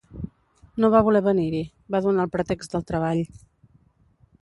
No va voler venir-hi; va donar el pretext del treball.